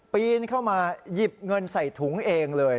ปีนเข้ามาหยิบเงินใส่ถุงเองเลย